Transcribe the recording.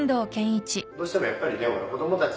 どうしてもやっぱり子供たち。